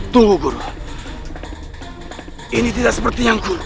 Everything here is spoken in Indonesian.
tunggu guru ini tidak seperti yang guru